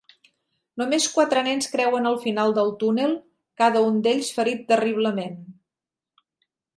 Només quatre nens creuen el final del túnel, cada un d'ells ferit terriblement.